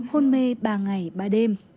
hôn mê ba ngày ba đêm